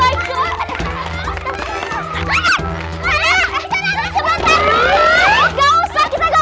aku itu adalah seorang prinsip jadi gak ada sejarahnya